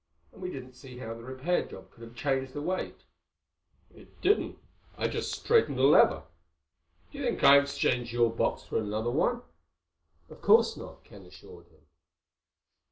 And we didn't see how the repair job could have changed the weight." "It didn't. I just straightened the lever. Do you think I exchanged your box for another one?" "Of course not," Ken assured him.